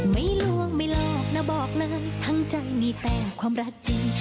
ล่วงไม่หลอกนะบอกเลยทั้งใจมีแต่ความรักจริง